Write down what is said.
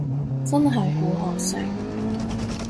真係好可惜